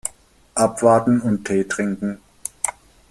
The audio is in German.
Abwarten und Tee trinken.